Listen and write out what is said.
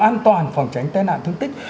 an toàn phòng tránh tai nạn thương tích